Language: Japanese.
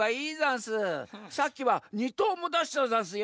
さっきは２とうもだしたざんすよ。